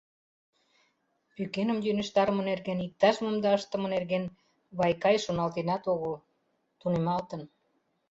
Пӱкеным йӧнештарыме нерген иктаж-мом да ыштыме нерген Вайкаи шоналтенат огыл, тунемалтын.